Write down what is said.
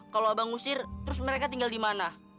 kalau abang ngusir terus mereka tinggal di mana